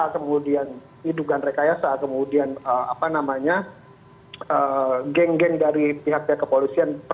kemudian diduga rekayasa kemudian geng geng dari pihak pihak kepolisian